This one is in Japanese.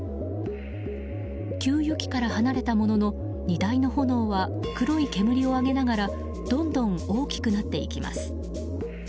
給油機から離れたものの荷台の炎は黒い煙を上げながらどんどん大きくなっていきます。